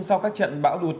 sau các trận bão đụt